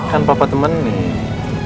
kan papa temen nih